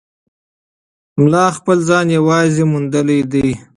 ملا خپل ځان یوازې موندلی دی.